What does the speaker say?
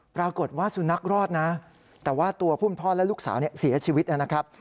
ปรากฏว่าสุนัขรอดนะแต่ว่าตัวผู้เป็นพ่อและลูกสาวเสียชีวิตนะครับ